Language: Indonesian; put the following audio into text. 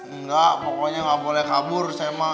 enggak pokoknya nggak boleh kabur saya mah